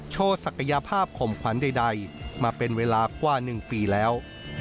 ศักยภาพข่มขวัญใดมาเป็นเวลากว่า๑ปีแล้ว